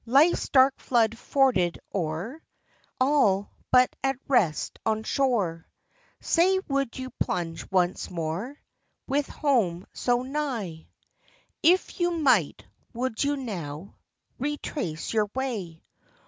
Life's dark flood forded o'er, All but at rest on shore, — Say, would you plunge once more With home so nigh ? If you might, would you now Retrace your way